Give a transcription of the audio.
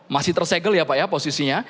masih tersegel ya pak ya posisinya